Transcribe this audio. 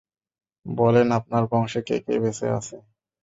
বলেন আপনার বংশে, কে কে বেঁচে আছে।